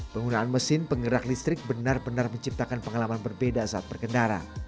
penggunaan mesin penggerak listrik benar benar menciptakan pengalaman berbeda saat berkendara